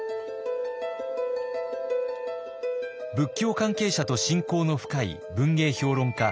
仏教関係者と親交の深い文芸評論家